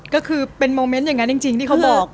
ก็คือเป็นโมเมนต์อย่างนั้นจริงที่เขาบอก